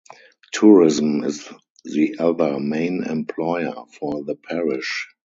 Tourism is the other main employer for the parish.